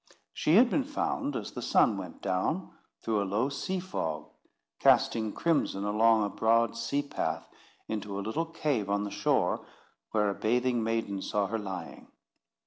She had been found as the sun went down through a low sea fog, casting crimson along a broad sea path into a little cave on the shore, where a bathing maiden saw her lying.